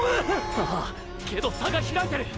ああけど差がひらいてる！！